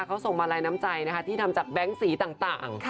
เขาส่งมาลัยน้ำใจนะคะที่ทำจากแบงค์สีต่าง